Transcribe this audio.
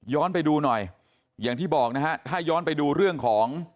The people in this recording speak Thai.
ไปดูหน่อยอย่างที่บอกนะฮะถ้าย้อนไปดูเรื่องของ